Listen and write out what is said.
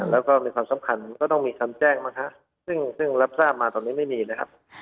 แล้วก็มีความสำคัญก็ต้องมีคำแจ้งมั้งฮะซึ่งรับทราบมาตอนนี้ไม่มีนะครับ